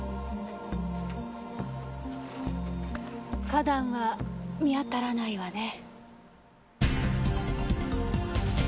花壇は見当たらないわね。